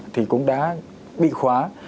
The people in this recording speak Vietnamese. thì cũng đã bị khóa